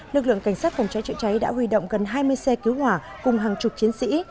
lực lượng cảnh sát phòng cháy chữa cháy đã huy động gần hai mươi xe cứu hỏa cùng hàng chục chiến sĩ